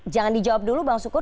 jangan dijawab dulu bang sukur